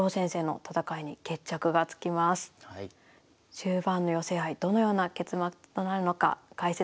終盤の寄せ合いどのような結末となるのか解説